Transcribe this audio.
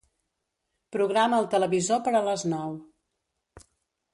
Programa el televisor per a les nou.